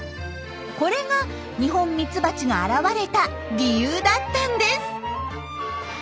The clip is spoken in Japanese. これがニホンミツバチが現れた理由だったんです。